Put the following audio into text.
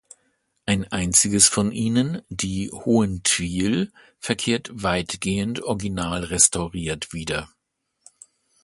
Ein einziges von ihnen, die "Hohentwiel", verkehrt weitgehend original restauriert wieder.